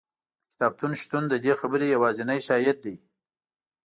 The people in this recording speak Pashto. د کتابتون شتون د دې خبرې یوازینی شاهد دی.